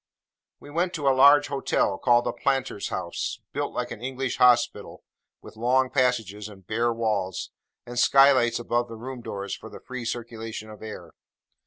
We went to a large hotel, called the Planter's House: built like an English hospital, with long passages and bare walls, and sky lights above the room doors for the free circulation of air.